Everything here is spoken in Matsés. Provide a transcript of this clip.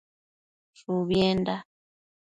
Shubienda